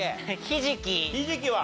ひじきは？